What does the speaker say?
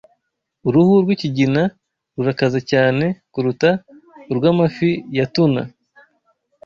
Uruhu rwikigina rurakaze cyane kuruta urw'amafi ya tuna.